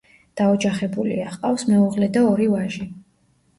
დაოჯახებულია, ჰყავს მეუღლე და ორი ვაჟი.